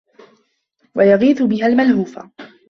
وَيُغِيثَ بِهَا الْمَلْهُوفَ